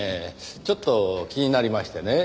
ちょっと気になりましてね。